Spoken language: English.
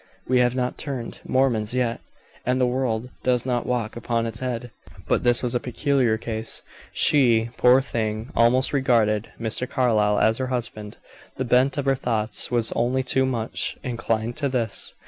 We have not turned Mormons yet, and the world does not walk upon its head. But this was a peculiar case. She, poor thing, almost regarded Mr. Carlyle as her husband. The bent of her thoughts was only too much inclined to this.